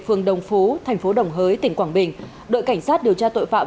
phường đồng phú thành phố đồng hới tỉnh quảng bình đội cảnh sát điều tra tội phạm